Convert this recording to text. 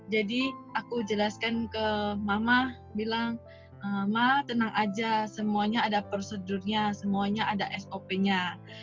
jadi aku jelaskan ke mama bilang mama tenang aja semuanya ada prosedurnya semuanya ada sop nya